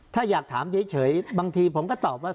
ถ้าอยากถามเฉยบางทีผมก็ตอบว่า